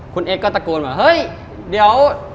คุณเอ็กซกลว่าเฮ้ยเดี๋ยว